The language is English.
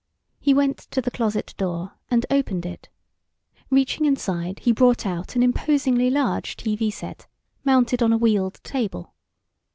He went to the closet door and opened it. Reaching inside, he brought out an imposingly large TV set, mounted on a wheeled table.